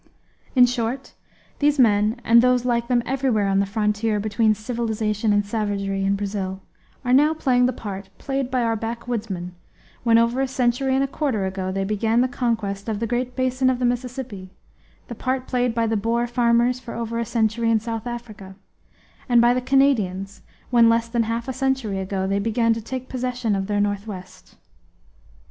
In short, these men, and those like them everywhere on the frontier between civilization and savagery in Brazil, are now playing the part played by our backwoodsmen when over a century and a quarter ago they began the conquest of the great basin of the Mississippi; the part played by the Boer farmers for over a century in South Africa, and by the Canadians when less than half a century ago they began to take possession of their Northwest.